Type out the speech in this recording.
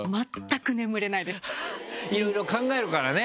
いろいろ考えるからね。